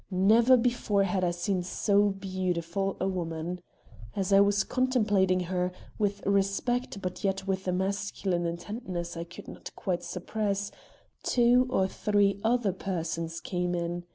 Never before had I seen so beautiful a woman. As I was contemplating her, with respect but yet with a masculine intentness I could not quite suppress, two or three other persons came in.